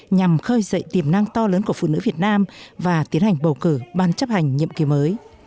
nhằm khơi dậy tiềm năng to lớn của phụ nữ việt nam và tiến hành bầu cử ban chấp hành nhiệm kỳ mới